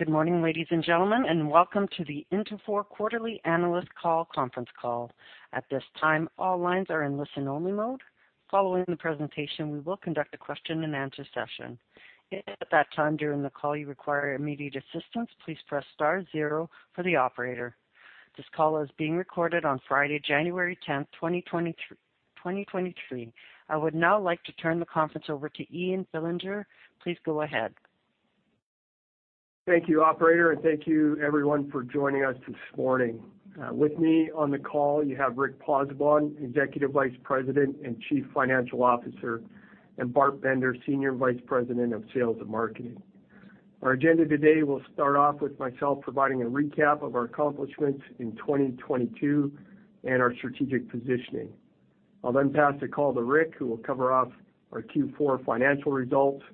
Good morning, ladies and gentlemen, welcome to the Interfor quarterly analyst call conference call. At this time, all lines are in listen-only mode. Following the presentation, we will conduct a question-and-answer session. If at that time during the call you require immediate assistance, please press star 0 for the operator. This call is being recorded on Friday, January 10th, 2023. I would now like to turn the conference over to Ian Fillinger. Please go ahead. Thank you, operator, and thank you everyone for joining us this morning. With me on the call, you have Rick Pozzebon, Executive Vice President and Chief Financial Officer, and Bart Bender, Senior Vice President of Sales and Marketing. Our agenda today will start off with myself providing a recap of our accomplishments in 2022 and our strategic positioning. I'll then pass the call to Rick, who will cover off our Q4 financial results,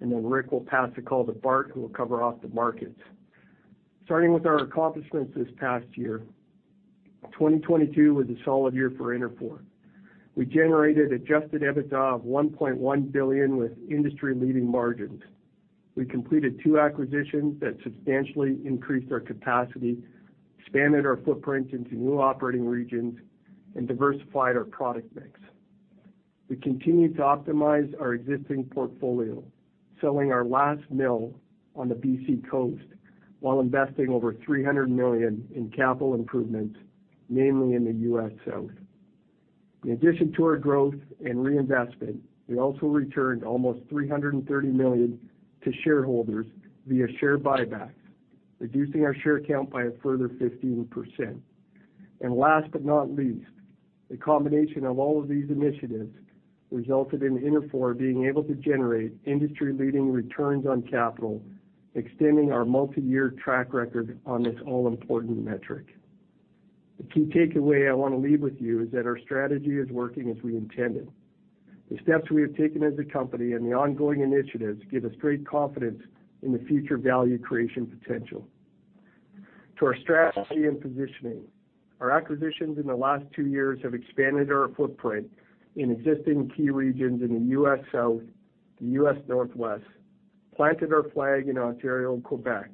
and then Rick will pass the call to Bart, who will cover off the markets. Starting with our accomplishments this past year. 2022 was a solid year for Interfor. We generated adjusted EBITDA of 1.1 billion with industry-leading margins. We completed two acquisitions that substantially increased our capacity, expanded our footprint into new operating regions, and diversified our product mix. We continued to optimize our existing portfolio, selling our last mill on the BC coast while investing over 300 million in capital improvements, mainly in the U.S. South. In addition to our growth and reinvestment, we also returned almost 330 million to shareholders via share buybacks, reducing our share count by a further 15%. Last but not least, the combination of all of these initiatives resulted in Interfor being able to generate industry-leading returns on capital, extending our multi-year track record on this all-important metric. The key takeaway I want to leave with you is that our strategy is working as we intended. The steps we have taken as a company and the ongoing initiatives give us great confidence in the future value creation potential. To our strategy and positioning, our acquisitions in the last two years have expanded our footprint in existing key regions in the U.S. South, the U.S. Northwest, planted our flag in Ontario and Quebec,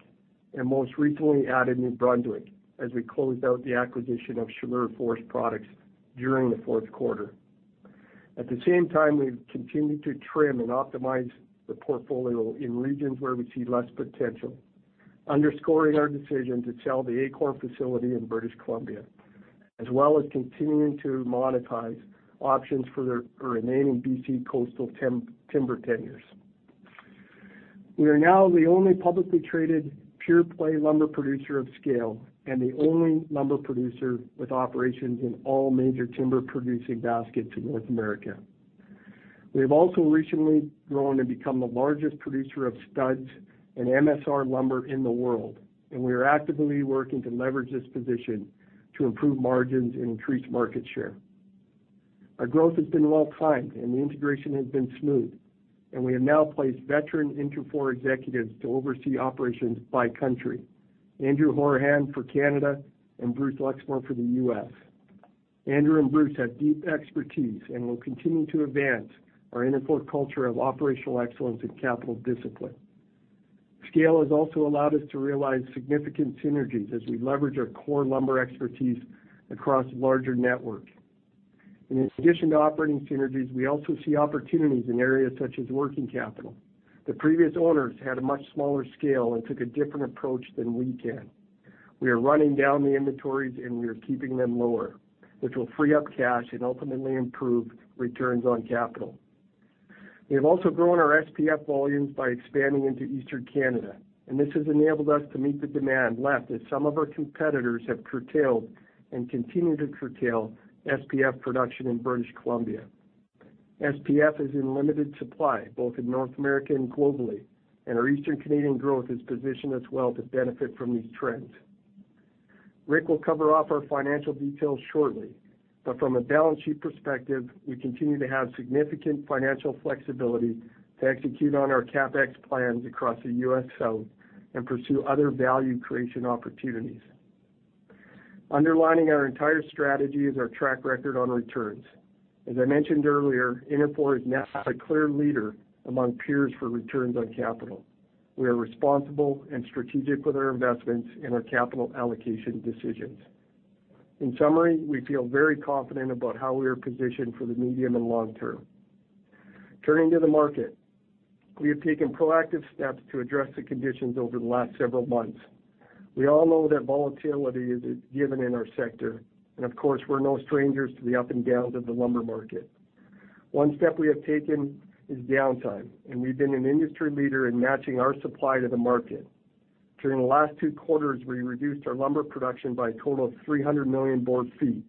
and most recently added New Brunswick as we closed out the acquisition of Chaleur Forest Products during the Q4. At the same time, we've continued to trim and optimize the portfolio in regions where we see less potential, underscoring our decision to sell the Acorn facility in British Columbia, as well as continuing to monetize options for our remaining BC coastal timber tenures. We are now the only publicly traded pure-play lumber producer of scale and the only lumber producer with operations in all major timber-producing baskets in North America. We have also recently grown to become the largest producer of studs and MSR lumber in the world, and we are actively working to leverage this position to improve margins and increase market share. Our growth has been well timed, and the integration has been smooth, and we have now placed veteran Interfor executives to oversee operations by country, Andrew Horahan for Canada and Bruce Luxmoore for the U.S. Andrew and Bruce have deep expertise and will continue to advance our Interfor culture of operational excellence and capital discipline. Scale has also allowed us to realize significant synergies as we leverage our core lumber expertise across a larger network. In addition to operating synergies, we also see opportunities in areas such as working capital. The previous owners had a much smaller scale and took a different approach than we can. We are running down the inventories, and we are keeping them lower, which will free up cash and ultimately improve returns on capital. We have also grown our SPF volumes by expanding into Eastern Canada, and this has enabled us to meet the demand left as some of our competitors have curtailed and continue to curtail SPF production in British Columbia. SPF is in limited supply both in North America and globally, and our Eastern Canadian growth is positioned as well to benefit from these trends. Rick will cover off our financial details shortly, but from a balance sheet perspective, we continue to have significant financial flexibility to execute on our CapEx plans across the US South and pursue other value creation opportunities. Underlining our entire strategy is our track record on returns. As I mentioned earlier, Interfor is now a clear leader among peers for returns on capital. We are responsible and strategic with our investments and our capital allocation decisions. In summary, we feel very confident about how we are positioned for the medium and long term. Turning to the market. We have taken proactive steps to address the conditions over the last several months. We all know that volatility is a given in our sector, and of course, we're no strangers to the up and downs of the lumber market. One step we have taken is downtime, and we've been an industry leader in matching our supply to the market. During the last two quarters, we reduced our lumber production by a total of 300 million board feet,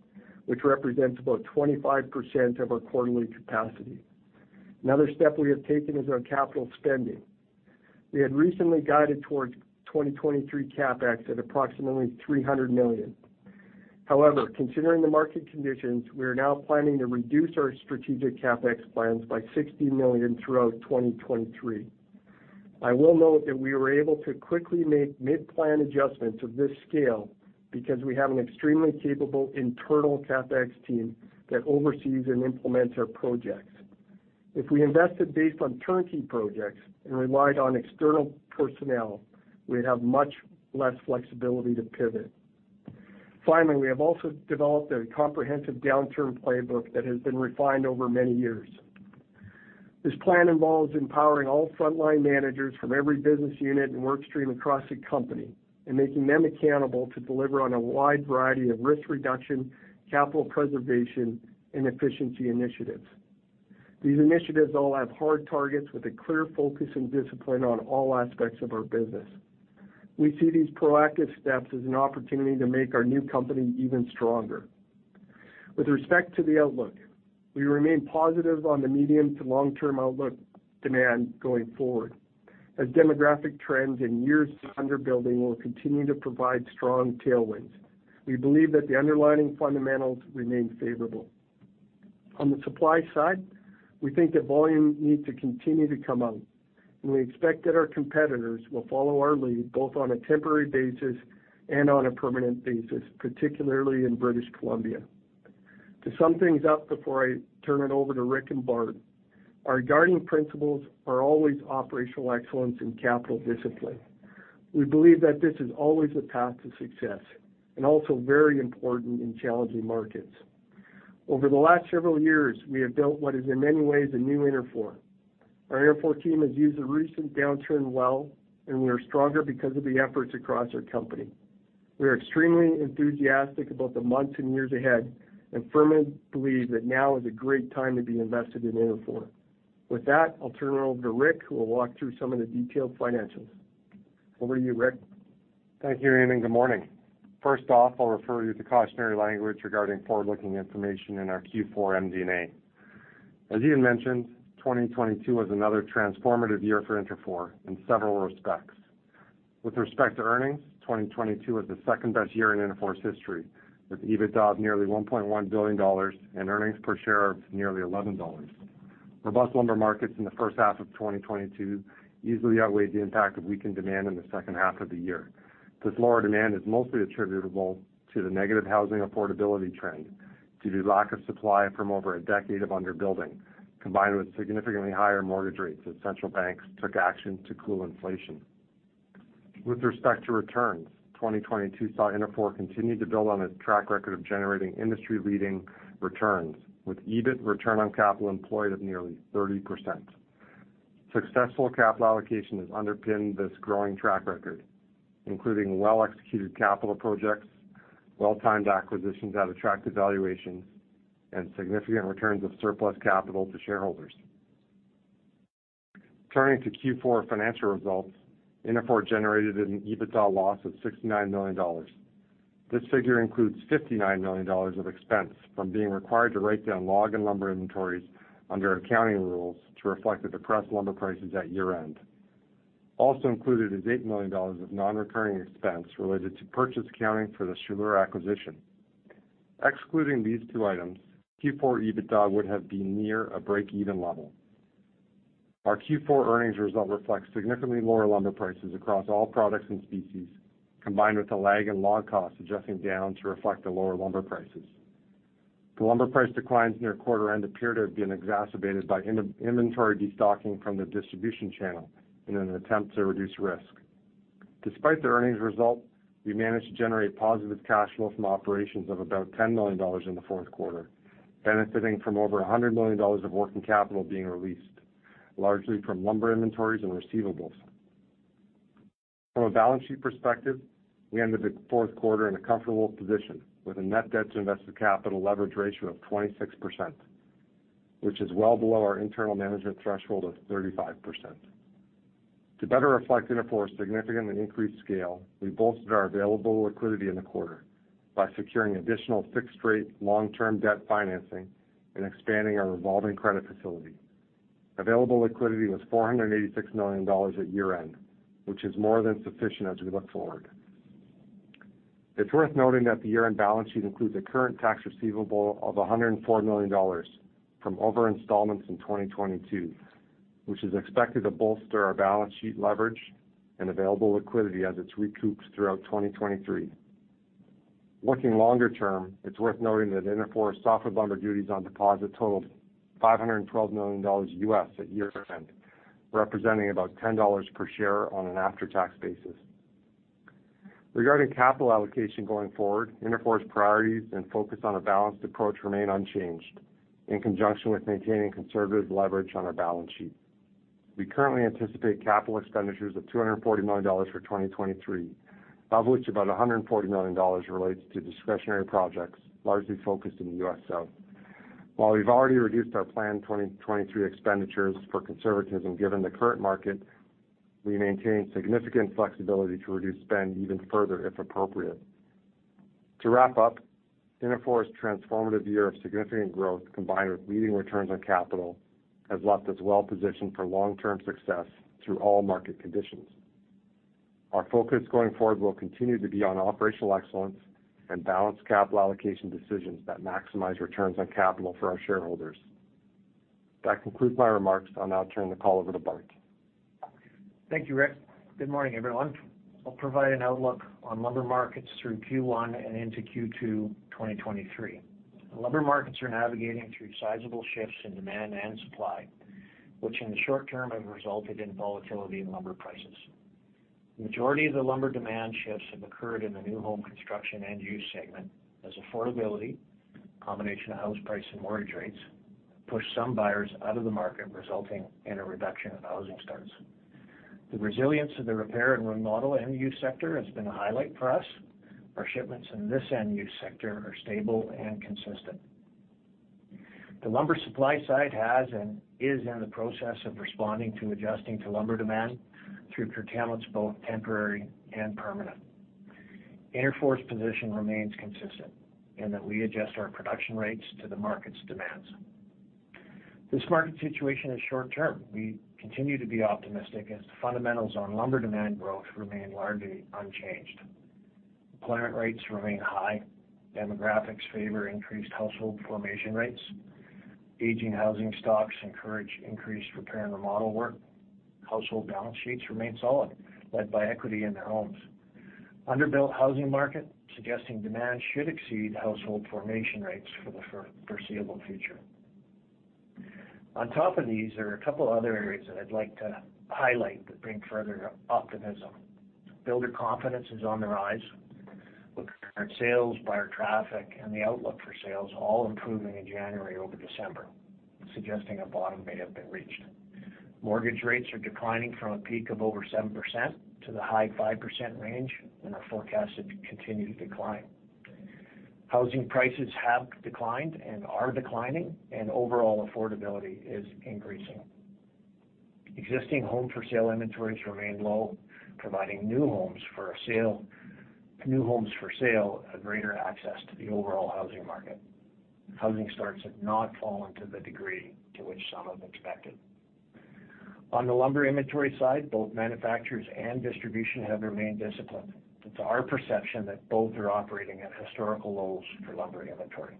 which represents about 25% of our quarterly capacity. Another step we have taken is our capital spending. We had recently guided towards 2023 CapEx at approximately 300 million. Considering the market conditions, we are now planning to reduce our strategic CapEx plans by 60 million throughout 2023. I will note that we were able to quickly make mid-plan adjustments of this scale because we have an extremely capable internal CapEx team that oversees and implements our projects. If we invested based on turnkey projects and relied on external personnel, we'd have much less flexibility to pivot. Finally, we have also developed a comprehensive downturn playbook that has been refined over many years. This plan involves empowering all frontline managers from every business unit and work stream across the company, and making them accountable to deliver on a wide variety of risk reduction, capital preservation, and efficiency initiatives. These initiatives all have hard targets with a clear focus and discipline on all aspects of our business. We see these proactive steps as an opportunity to make our new company even stronger. With respect to the outlook, we remain positive on the medium to long-term outlook demand going forward, as demographic trends in years under building will continue to provide strong tailwinds. We believe that the underlying fundamentals remain favorable. On the supply side, we think that volume needs to continue to come out, and we expect that our competitors will follow our lead, both on a temporary basis and on a permanent basis, particularly in British Columbia. To sum things up before I turn it over to Rick and Bart, our guiding principles are always operational excellence and capital discipline. We believe that this is always a path to success and also very important in challenging markets. Over the last several years, we have built what is in many ways a new Interfor. Our Interfor team has used the recent downturn well, and we are stronger because of the efforts across our company. We are extremely enthusiastic about the months and years ahead and firmly believe that now is a great time to be invested in Interfor. With that, I'll turn it over to Rick, who will walk through some of the detailed financials. Over to you, Rick. Thank you, Ian, and good morning. First off, I'll refer you to cautionary language regarding forward-looking information in our Q4 MD&A. As Ian mentioned, 2022 was another transformative year for Interfor in several respects. With respect to earnings, 2022 was the second-best year in Interfor's history, with EBITDA of nearly 1.1 billion dollars and earnings per share of nearly 11 dollars. Robust lumber markets in the first half of 2022 easily outweighed the impact of weakened demand in the second half of the year. This lower demand is mostly attributable to the negative housing affordability trend due to lack of supply from over a decade of under-building, combined with significantly higher mortgage rates as central banks took action to cool inflation. With respect to returns, 2022 saw Interfor continue to build on its track record of generating industry-leading returns with EBIT return on capital employed of nearly 30%. Successful capital allocation has underpinned this growing track record, including well-executed capital projects, well-timed acquisitions at attractive valuations, and significant returns of surplus capital to shareholders. Turning to Q4 financial results, Interfor generated an EBITDA loss of 69 million dollars. This figure includes 59 million dollars of expense from being required to write down log and lumber inventories under accounting rules to reflect the depressed lumber prices at year-end. Also included is 8 million dollars of non-recurring expense related to purchase accounting for the Chaleur acquisition. Excluding these two items, Q4 EBITDA would have been near a break-even level. Our Q4 earnings result reflects significantly lower lumber prices across all products and species, combined with the lag in log costs adjusting down to reflect the lower lumber prices. The lumber price declines near quarter end appear to have been exacerbated by in-inventory destocking from the distribution channel in an attempt to reduce risk. Despite the earnings result, we managed to generate positive cash flow from operations of about 10 million dollars in the Q4, benefiting from over 100 million dollars of working capital being released, largely from lumber inventories and receivables. From a balance sheet perspective, we ended the Q4 in a comfortable position with a net debt to invested capital leverage ratio of 26%, which is well below our internal management threshold of 35%. To better reflect Interfor's significantly increased scale, we bolstered our available liquidity in the quarter by securing additional fixed-rate long-term debt financing and expanding our revolving credit facility. Available liquidity was 486 million dollars at year-end, which is more than sufficient as we look forward. It's worth noting that the year-end balance sheet includes a current tax receivable of 104 million dollars from over installments in 2022, which is expected to bolster our balance sheet leverage and available liquidity as it's recouped throughout 2023. Looking longer term, it's worth noting that Interfor's softwood lumber duties on deposit totaled 512 million dollars at year-end, representing about 10 dollars per share on an after-tax basis. Regarding capital allocation going forward, Interfor's priorities and focus on a balanced approach remain unchanged in conjunction with maintaining conservative leverage on our balance sheet. We currently anticipate capital expenditures of 240 million dollars for 2023, of which about 140 million dollars relates to discretionary projects, largely focused in the U.S. South. We've already reduced our planned 2023 expenditures for conservatism given the current market, we maintain significant flexibility to reduce spend even further if appropriate. To wrap up, Interfor's transformative year of significant growth, combined with leading returns on capital, has left us well-positioned for long-term success through all market conditions. Our focus going forward will continue to be on operational excellence and balanced capital allocation decisions that maximize returns on capital for our shareholders. That concludes my remarks. I'll now turn the call over to Bart. Thank you, Rick. Good morning, everyone. I'll provide an outlook on lumber markets through Q1 and into Q2 2023. Lumber markets are navigating through sizable shifts in demand and supply, which in the short term have resulted in volatility in lumber prices. Majority of the lumber demand shifts have occurred in the new home construction end use segment as affordability, combination of house price and mortgage rates, pushed some buyers out of the market, resulting in a reduction of housing starts. The resilience of the repair and remodel end use sector has been a highlight for us. Our shipments in this end use sector are stable and consistent. The lumber supply side has and is in the process of responding to adjusting to lumber demand through curtailments both temporary and permanent. Interfor's position remains consistent in that we adjust our production rates to the market's demands. This market situation is short term. We continue to be optimistic as the fundamentals on lumber demand growth remain largely unchanged. Employment rates remain high. Demographics favor increased household formation rates. Aging housing stocks encourage increased repair and remodel work. Household balance sheets remain solid, led by equity in their homes. Underbuilt housing market suggesting demand should exceed household formation rates for the foreseeable future. On top of these, there are a couple other areas that I'd like to highlight that bring further optimism. Builder confidence is on the rise, with current sales, buyer traffic, and the outlook for sales all improving in January over December, suggesting a bottom may have been reached. Mortgage rates are declining from a peak of over 7% to the high 5% range and are forecasted to continue to decline. Housing prices have declined and are declining, and overall affordability is increasing. Existing home for sale inventories remain low, providing new homes for sale a greater access to the overall housing market. Housing starts have not fallen to the degree to which some have expected. On the lumber inventory side, both manufacturers and distribution have remained disciplined. It's our perception that both are operating at historical lows for lumber inventory.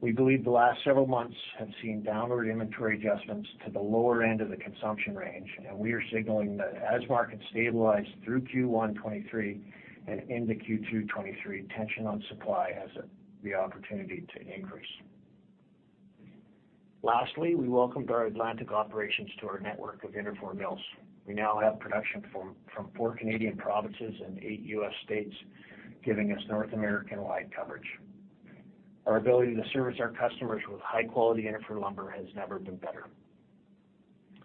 We believe the last several months have seen downward inventory adjustments to the lower end of the consumption range, and we are signaling that as markets stabilize through Q1 2023 and into Q2 2023, tension on supply has the opportunity to increase. Lastly, we welcomed our Atlantic operations to our network of Interfor mills. We now have production from four Canadian provinces and eight U.S. states, giving us North American-wide coverage. Our ability to service our customers with high-quality Interfor lumber has never been better.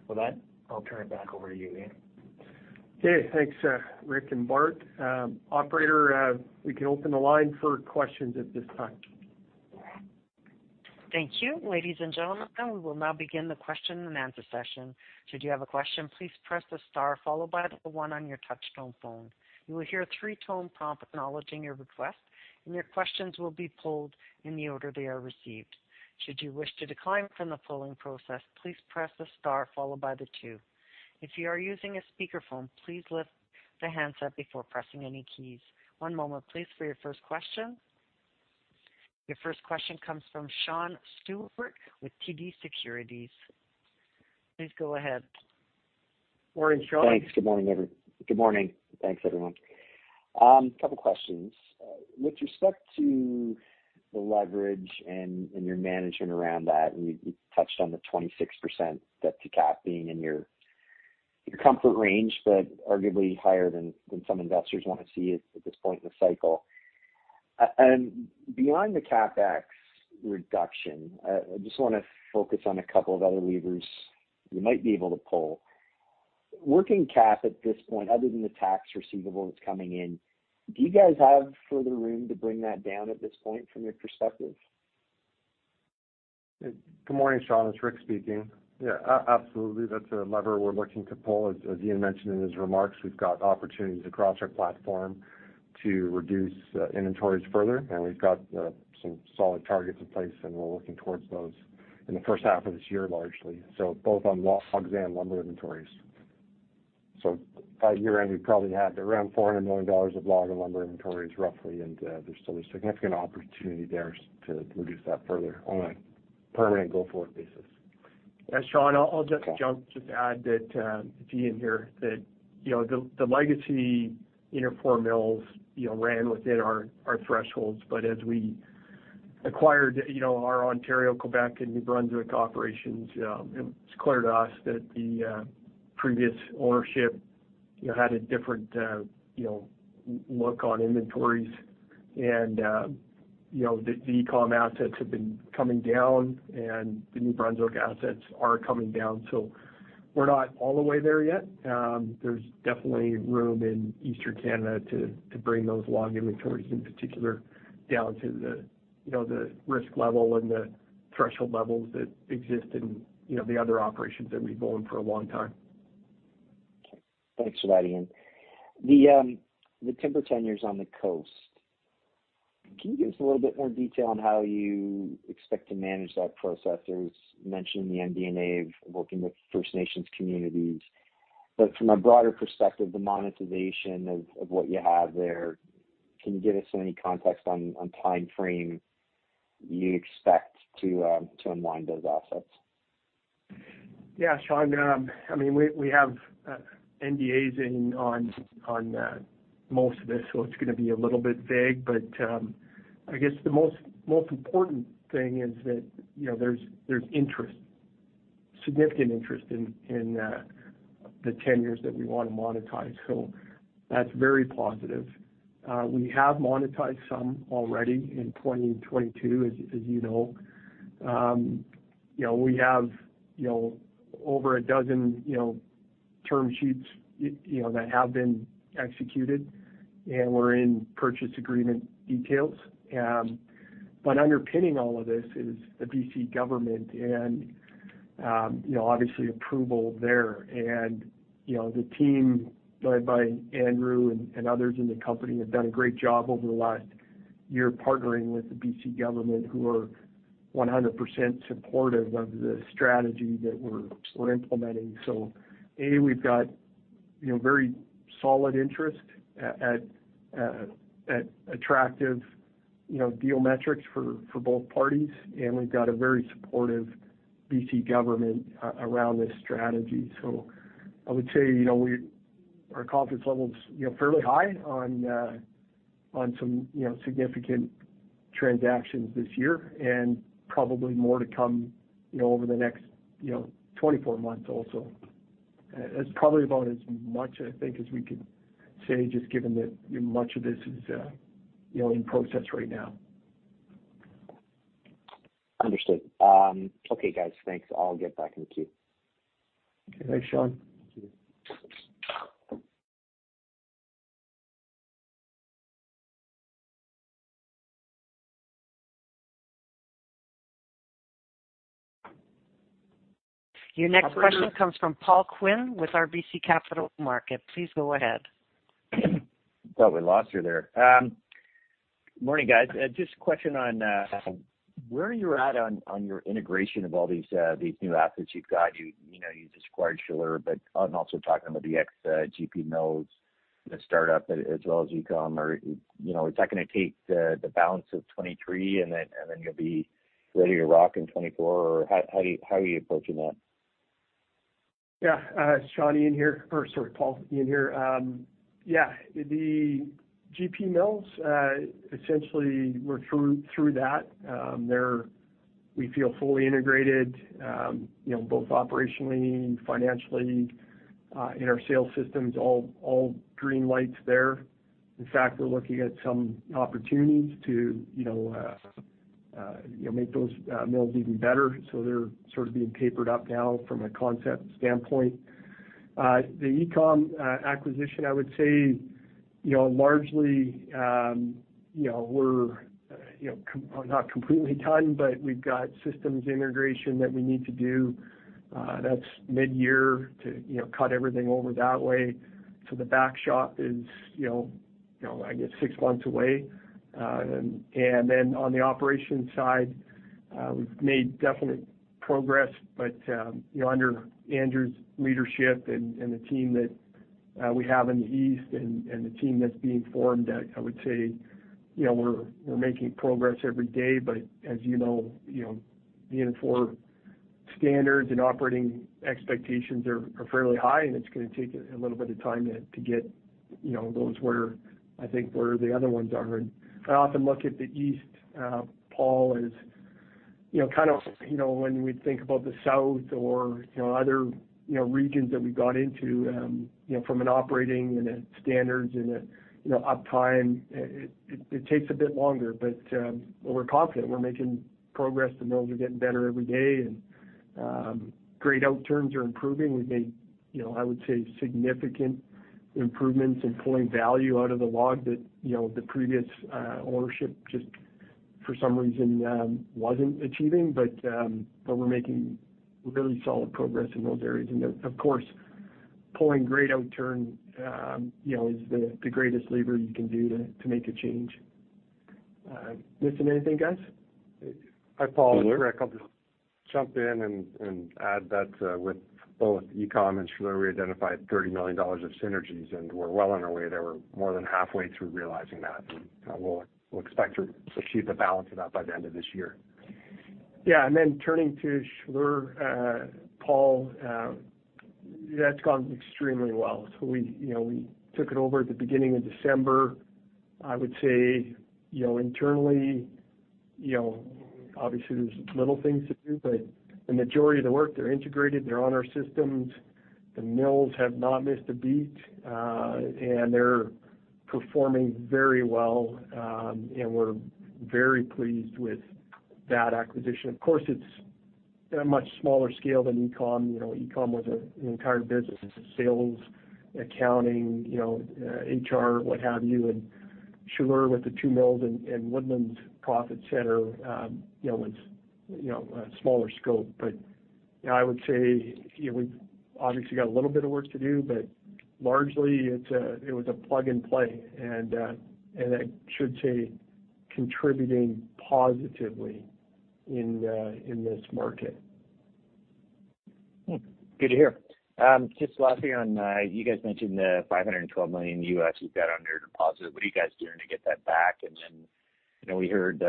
With that, I'll turn it back over to you, Ian. Okay, thanks, Rick and Bart. operator, we can open the line for questions at this time. Thank you. Ladies and gentlemen, we will now begin the question and answer session. Should you have a question, please press the star followed by the one on your touchtone phone. You will hear a three-tone prompt acknowledging your request, and your questions will be pulled in the order they are received. Should you wish to decline from the pulling process, please press the star followed by the two. If you are using a speakerphone, please lift the handset before pressing any keys. One moment, please, for your first question. Your first question comes from Sean Steuart with TD Securities. Please go ahead. Morning, Sean. Okay. Yeah, absolutely. That's a lever we're looking to pull. As Ian mentioned in his remarks, we've got opportunities across our platform to reduce inventories further, and we've got some solid targets in place, and we're looking towards those in the first half of this year, largely, so both on logs and lumber inventories. By year-end, we probably had around 400 million dollars of log and lumber inventories roughly, and there's still a significant opportunity there to reduce that further on a permanent go-forward basis. Yeah, Sean, I'll just jump to add that, it's Ian here, that, you know, the legacy Interfor mills, you know, ran within our thresholds. As we acquired, you know, our Ontario, Quebec, and New Brunswick operations, it was clear to us that the previous ownership, you know, had a different, you know, look on inventories. You know, the EACOM assets have been coming down, and the New Brunswick assets are coming down. We're not all the way there yet. There's definitely room in Eastern Canada to bring those log inventories in particular down to the, you know, the risk level and the threshold levels that exist in, you know, the other operations that we've owned for a long time. Okay. Thanks for that, Ian. The, the timber tenures on the coast, can you give us a little bit more detail on how you expect to manage that process? There was mention in the MD&A of working with First Nations communities. From a broader perspective, the monetization of what you have there, can you give us any context on timeframe? You expect to unwind those assets? Yeah, Sean. I mean, we have NDAs in on most of this, it's gonna be a little bit vague. I guess the most important thing is that, you know, there's interest, significant interest in the tenures that we wanna monetize. That's very positive. We have monetized some already in 2020 and 2022, as you know. You know, we have, you know, over a dozen, you know, term sheets, you know, that have been executed and we're in purchase agreement details. Underpinning all of this is the BC Government and, you know, obviously approval there. You know, the team led by Andrew and others in the company have done a great job over the last year partnering with the BC government who are 100% supportive of the strategy that we're implementing. A, we've got, you know, very solid interest at attractive, you know, deal metrics for both parties. We've got a very supportive BC government around this strategy. I would say, you know, our confidence level's, you know, fairly high on some, you know, significant transactions this year and probably more to come, you know, over the next, you know, 24 months also. That's probably about as much, I think, as we could say, just given that, you know, much of this is, you know, in process right now. Understood. Okay, guys. Thanks. I'll get back in the queue. Okay. Thanks, Sean. Thank you. Your next question comes from Paul Quinn with RBC Capital Markets. Please go ahead. Thought we lost you there. Morning, guys. Just a question on your integration of all these new assets you've got. You know, you've acquired Chaleur, but I'm also talking about the ex GP Mills, the startup, as well as EACOM. You know, is that gonna take the balance of 2023, and then you'll be ready to rock in 2024? How are you approaching that? Yeah. Sean, Ian here. Or sorry, Paul, Ian here. Yeah, the GP Mills, essentially we're through that. We feel fully integrated, you know, both operationally and financially, in our sales systems, all green lights there. In fact, we're looking at some opportunities to, you know, make those mills even better. They're sort of being papered up now from a concept standpoint. The EACOM acquisition, I would say, you know, largely, you know, we're, you know, not completely done, but we've got systems integration that we need to do. That's midyear to, you know, cut everything over that way. The back shop is, you know, I guess six months away. On the operations side, we've made definite progress. You know, under Andrew's leadership and the team that we have in the East and the team that's being formed, I would say, you know, we're making progress every day. As you know, you know, the Interfor standards and operating expectations are fairly high, and it's gonna take a little bit of time to get, you know, those where I think where the other ones are. I often look at the East, Paul, as, you know, kind of, you know, when we think about the South or, you know, other, you know, regions that we got into, you know, from an operating and a standards and a, you know, uptime, it takes a bit longer. But we're confident we're making progress. The mills are getting better every day and grade outturns are improving. We've made, you know, I would say, significant improvements in pulling value out of the log that, you know, the previous ownership just for some reason wasn't achieving. We're making really solid progress in those areas. Of course, pulling grade outturn, you know, is the greatest lever you can do to make a change. Missing anything, guys? Hi, Paul. Hello. Rick, I'll just jump in and add that with both EACOM and Chaleur, we identified $30 million of synergies. We're well on our way there. We're more than halfway through realizing that. We'll expect to achieve the balance of that by the end of this year. Yeah. Turning to Chaleur, Paul, that's gone extremely well. We, you know, we took it over at the beginning of December. I would say, you know, internally, you know, obviously there's little things to do, the majority of the work, they're integrated, they're on our systems. The mills have not missed a beat, they're performing very well. We're very pleased with that acquisition. Of course, it's a much smaller scale than EACOM. You know, EACOM was an entire business. It's a sales, accounting, you know, HR, what have you. Chaleur with the two mills and Woodlands profit center, you know, it's, you know, a smaller scope. I would say we've obviously got a little bit of work to do, but largely it was a plug and play, and I should say contributing positively in this market. Good to hear. Just lastly on, you guys mentioned the $512 million you've got on your deposit. What are you guys doing to get that back? You know, we heard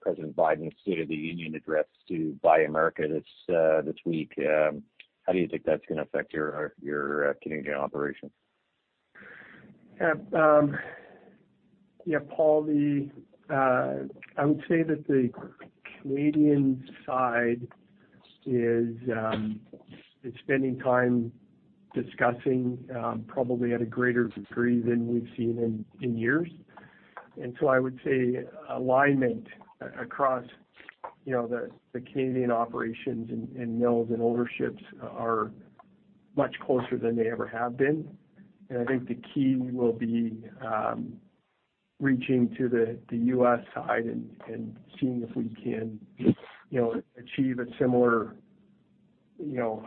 President Biden State of the Union Address to buy America this week. How do you think that's gonna affect your Canadian operations? Yeah. Yeah, Paul, the I would say that the Canadian side is spending time discussing probably at a greater degree than we've seen in years. I would say alignment across, you know, the Canadian operations and mills and ownerships are much closer than they ever have been. I think the key will be reaching to the U.S. side and seeing if we can, you know, achieve a similar, you know,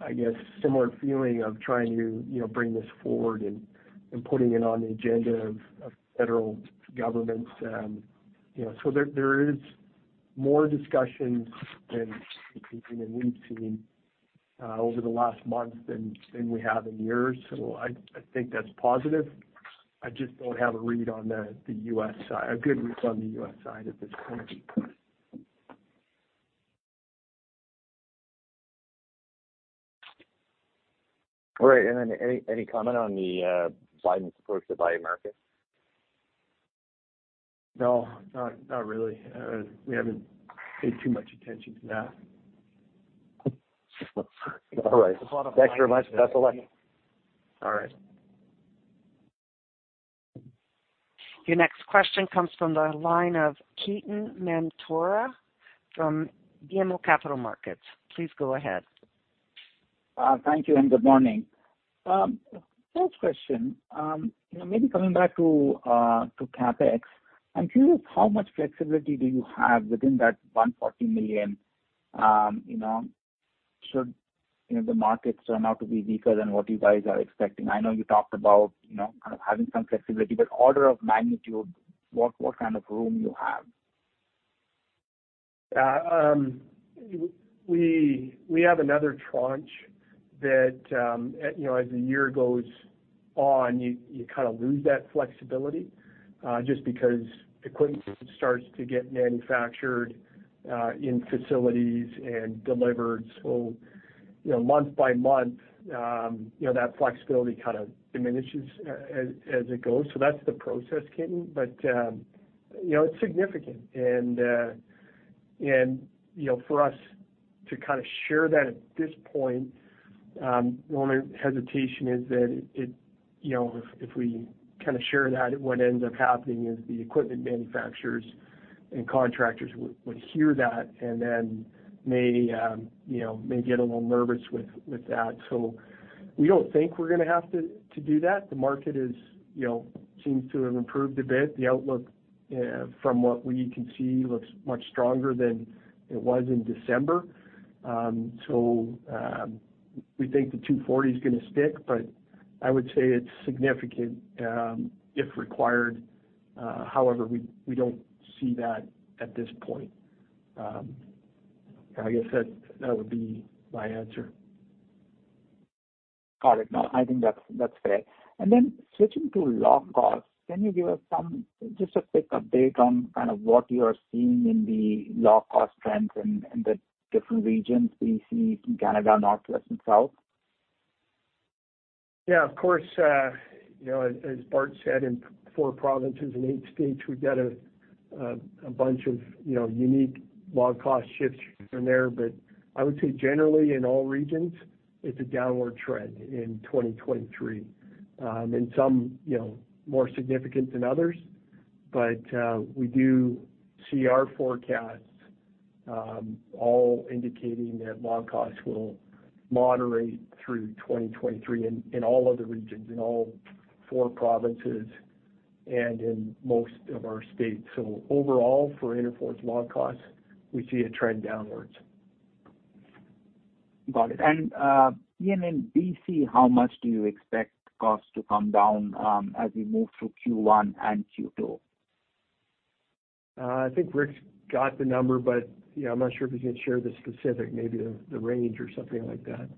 I guess, similar feeling of trying to, you know, bring this forward and putting it on the agenda of federal governments. You know, there is more discussions than we've seen over the last month than we have in years. I think that's positive. I just don't have a good read on the U.S. side at this point. All right. Any comment on the Biden's approach to buy America? No, not really. We haven't paid too much attention to that. All right. Thanks very much. Best of luck. All right. Your next question comes from the line of Ketan Mamtora from BMO Capital Markets. Please go ahead. Thank you and good morning. First question, you know, maybe coming back to CapEx, I'm curious how much flexibility do you have within that 140 million, you know, should, you know, the markets turn out to be weaker than what you guys are expecting? I know you talked about, you know, kind of having some flexibility, but order of magnitude, what kind of room you have? Yeah. We have another tranche that, you know, as the year goes on, you kind of lose that flexibility, just because equipment starts to get manufactured in facilities and delivered. You know, month by month, you know, that flexibility kind of diminishes as it goes. That's the process, Ketan. It's significant and, you know, for us to kind of share that at this point, the only hesitation is that it, you know, if we kind of share that, what ends up happening is the equipment manufacturers and contractors would hear that and then may, you know, may get a little nervous with that. We don't think we're gonna have to do that. The market is, you know, seems to have improved a bit. The outlook, from what we can see, looks much stronger than it was in December. We think the 240 is gonna stick, but I would say it's significant, if required. However, we don't see that at this point. I guess that would be my answer. Got it. No, I think that's fair. Switching to log costs, can you give us just a quick update on kind of what you are seeing in the log cost trends in the different regions, BC, Canada, North, West, and South? Yeah, of course. you know, as Bart said, in four provinces and eight states, we've got a bunch of, you know, unique log cost shifts in there. I would say generally in all regions, it's a downward trend in 2023. and some, you know, more significant than others. We do see our forecasts, all indicating that log costs will moderate through 2023 in all of the regions, in all four provinces and in most of our states. Overall, for Interfor's log costs, we see a trend downwards. Got it. Ian, in BC, how much do you expect costs to come down, as we move through Q1 and Q2? I think Rick's got the number, you know, I'm not sure if he can share the specific, maybe the range or something like that.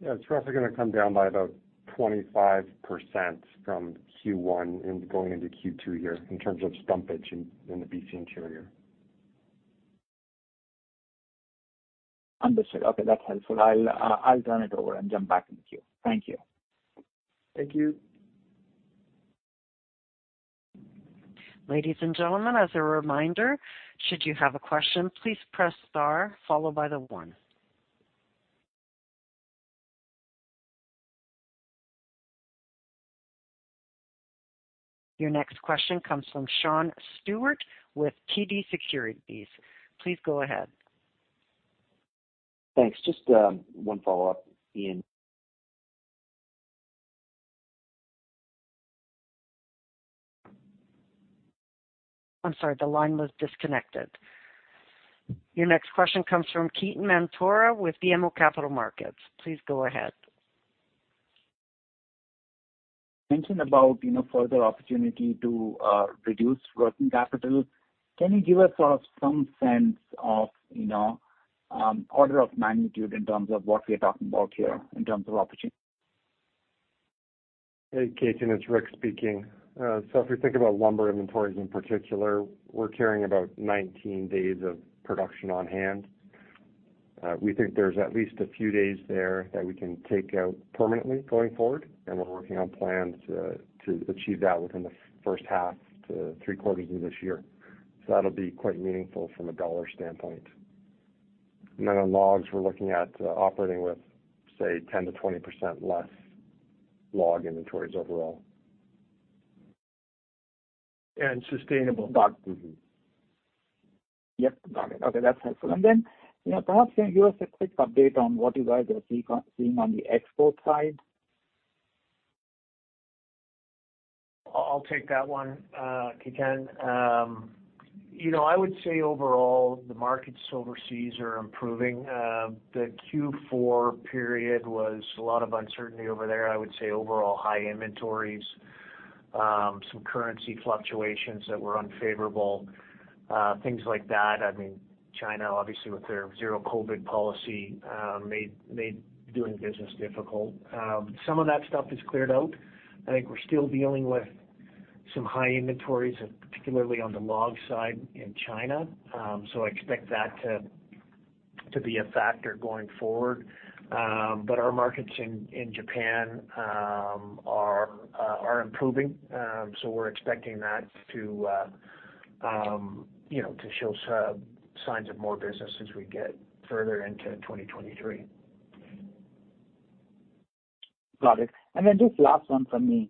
Yeah. It's roughly gonna come down by about 25% from Q1 and going into Q2 here in terms of stumpage in the BC interior. Understood. Okay, that's helpful. I'll turn it over and jump back in the queue. Thank you. Thank you. Ladies and gentlemen, as a reminder, should you have a question, please press star followed by the one. Your next question comes from Sean Steuart with TD Securities. Please go ahead. Thanks. Just, one follow-up, Ian. I'm sorry, the line was disconnected. Your next question comes from Ketan Mamtora with BMO Capital Markets. Please go ahead. Mentioned about, you know, further opportunity to reduce working capital. Can you give us, some sense of, you know, order of magnitude in terms of what we're talking about here in terms of opportunity? Hey, Ketan, it's Rick speaking. If you think about lumber inventories in particular, we're carrying about 19 days of production on hand. We think there's at least a few days there that we can take out permanently going forward, and we're working on plans to achieve that within the first half to three quarters of this year. That'll be quite meaningful from a dollar standpoint. Then on logs, we're looking at operating with, say, 10%-20% less log inventories overall. Sustainable. Dot. Mm-hmm. Yep, got it. Okay, that's helpful. Then, you know, perhaps can you give us a quick update on what you guys are seeing on the export side? I'll take that one, Ketan. You know, I would say overall, the markets overseas are improving. The Q4 period was a lot of uncertainty over there. I would say overall high inventories, some currency fluctuations that were unfavorable, things like that. I mean, China, obviously, with their zero COVID policy, made doing business difficult. Some of that stuff is cleared out. I think we're still dealing with some high inventories, particularly on the log side in China, so I expect that to be a factor going forward. Our markets in Japan, are improving, so we're expecting that to, you know, to show signs of more business as we get further into 2023. Got it. Just last one from me.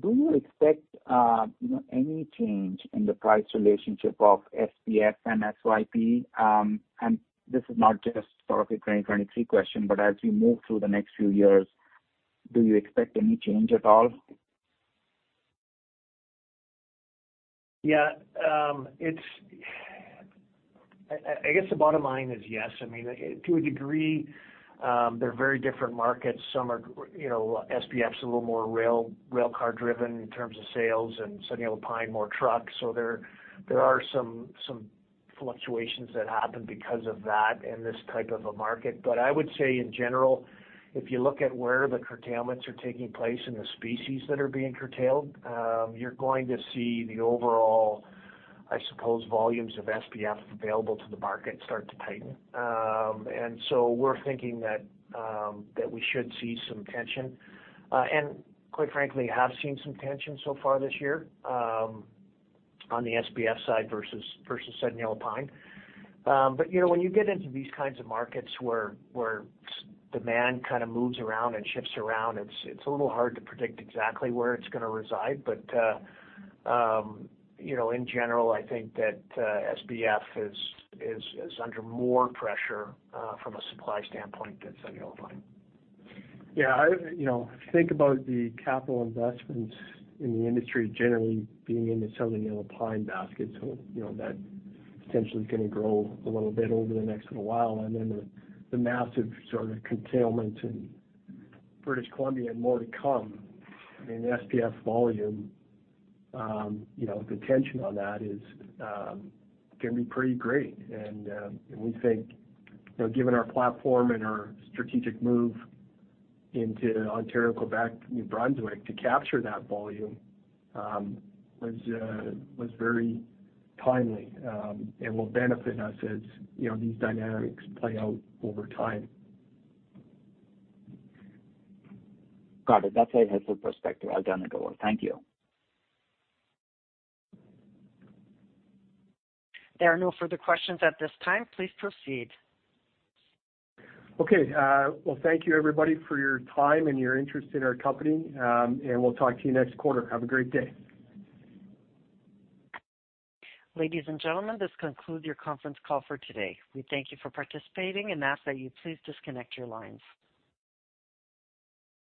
Do you expect, you know, any change in the price relationship of SPF and SYP? This is not just sort of a 2023 question, but as we move through the next few years, do you expect any change at all? Yeah. I guess the bottom line is yes. I mean, to a degree, they're very different markets. Some are, you know, SPF's a little more rail car driven in terms of sales, and Southern Yellow Pine more truck. There are some fluctuations that happen because of that in this type of a market. I would say in general, if you look at where the curtailments are taking place and the species that are being curtailed, you're going to see the overall, I suppose, volumes of SPF available to the market start to tighten. We're thinking that we should see some tension, and quite frankly, have seen some tension so far this year, on the SPF side versus Southern Yellow Pine. You know, when you get into these kinds of markets where demand kind of moves around and shifts around, it's a little hard to predict exactly where it's gonna reside. You know, in general, I think that SPF is under more pressure from a supply standpoint than Southern Yellow Pine. Yeah, you know, if you think about the capital investments in the industry generally being in the Southern Yellow Pine basket, you know, that potentially is gonna grow a little bit over the next little while. The massive sort of curtailment in British Columbia and more to come in SPF volume, you know, the tension on that is gonna be pretty great. We think, you know, given our platform and our strategic move into Ontario, Quebec, New Brunswick to capture that volume, was very timely, and will benefit us as, you know, these dynamics play out over time. Got it. That's very helpful perspective. I've done the door. Thank you. There are no further questions at this time. Please proceed. Okay. Well, thank you everybody for your time and your interest in our company. We'll talk to you next quarter. Have a great day. Ladies and gentlemen, this concludes your conference call for today. We thank you for participating and ask that you please disconnect your lines.